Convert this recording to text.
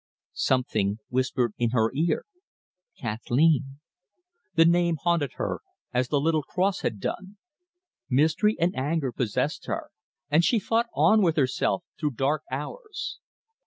Something whispered in her ear, "Kathleen!" The name haunted her, as the little cross had done. Misery and anger possessed her, and she fought on with herself through dark hours.